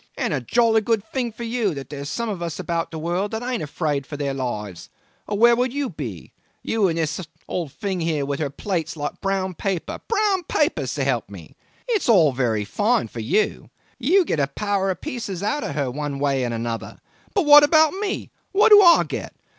And a jolly good thing for you that there are some of us about the world that aren't afraid of their lives, or where would you be you and this old thing here with her plates like brown paper brown paper, s'elp me? It's all very fine for you you get a power of pieces out of her one way and another; but what about me what do I get?